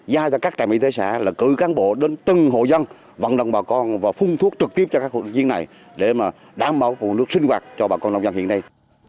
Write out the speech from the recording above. giai cho các trạm y tế xã là cử các bộ đến từng hội dân vận động bà con và phung thuốc trực tiếp cho các hội dân này để mà đảm bảo nguồn nước sinh hoạt cho bà con nông dân hiện nay